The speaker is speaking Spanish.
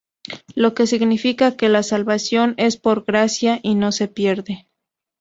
Lo que significa que la salvación es por gracia y no se pierde.